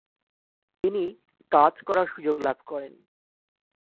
তিনি কাজ করার সুযোগ লাভ করেন।